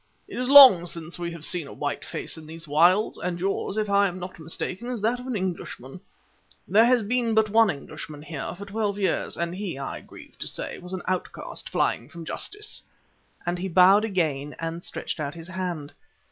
"It is long since we have seen a white face in these wilds, and yours, if I am not mistaken, is that of an Englishman. There has been but one Englishman here for twelve years, and he, I grieve to say, was an outcast flying from justice," and he bowed again and stretched out his hand.